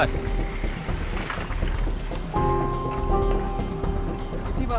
ternyata ketakutan mama salah